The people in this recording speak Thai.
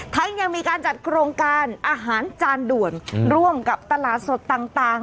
ยังมีการจัดโครงการอาหารจานด่วนร่วมกับตลาดสดต่าง